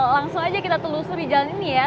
langsung aja kita telusur di jalan ini ya